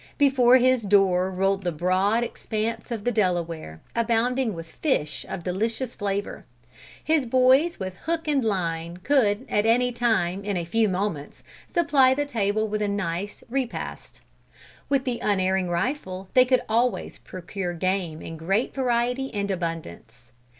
Before his door rolled the broad expanse of the Delaware, abounding with fish of delicious flavor. His boys with hook and line could at any time, in a few moments, supply the table with a nice repast. With the unerring rifle, they could always procure game in great variety and abundance.